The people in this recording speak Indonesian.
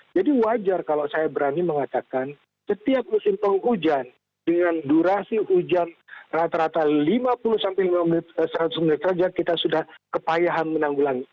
jadi wajar kalau saya berani mengatakan setiap musim penghujan dengan durasi hujan rata rata lima puluh seratus meter saja kita sudah kepayahan menanggulang